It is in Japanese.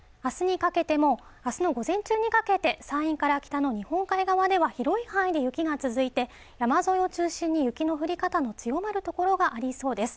明日の午前中にかけて、山陰から北の日本海側では広い範囲で雪が続いて山沿いを中心に雪の降り方が強まる所がありそうです。